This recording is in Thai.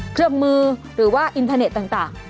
เครื่องมือหรือว่าอินเทอร์เน็ตต่าง